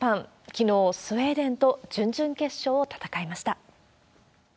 きのう、スウェーデンと準々決勝を戦いました。